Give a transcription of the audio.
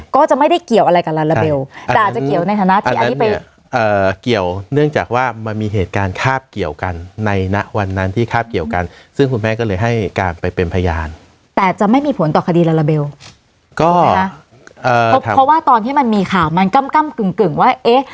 ฆดีลาลาเบลก็เอ่อเพราะว่าตอนที่มันมีข่าวมันกล้ำกล้ำกึ่งกึ่งว่าเอ๊ะ